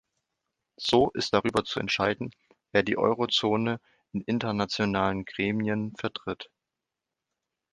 So ist darüber zu entscheiden, wer die Euro-Zone in internationalen Gremien vertritt.